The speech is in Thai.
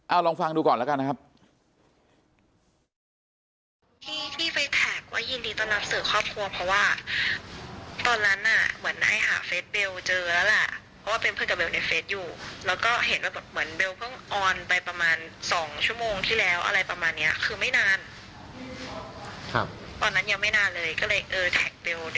เอาลองฟังดูก่อนแล้วกันนะครับ